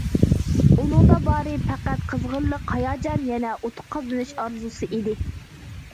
ئۇنىڭدا بارى پەقەت قىزغىنلىق، ھاياجان، يەنە ئۇتۇق قازىنىش ئارزۇسى ئىدى.